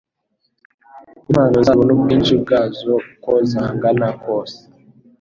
Impano zabo n'ubwinshi bwazo uko zangana kose,